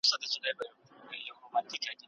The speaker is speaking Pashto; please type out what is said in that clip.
هر څوک د خپلي خوښي دین غوره کولای سي.